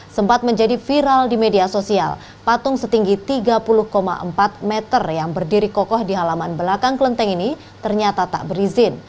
sempat menjadi viral di media sosial patung setinggi tiga puluh empat meter yang berdiri kokoh di halaman belakang kelenteng ini ternyata tak berizin